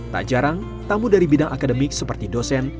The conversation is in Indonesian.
tak jarang tamu dari bidang akademik seperti dosen